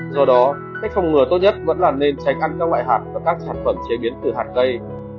do đó cách phòng ngừa tốt nhất vẫn là nên tránh ăn các loại hạt và các sản phẩm chế biến từ hạt cây